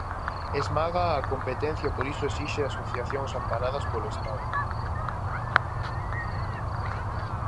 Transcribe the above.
Esmágaa a competencia, por iso esixe asociacións amparadas polo Estado.